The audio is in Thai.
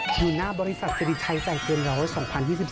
อยู่หน้าบริษัทสิริไทยใจเกินร้อย๒๐๒๒